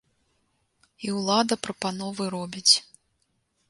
І ўлада прапановы робіць.